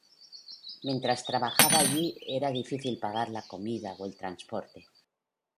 Mientras trabajaba allí era difícil pagar la comida o el transporte.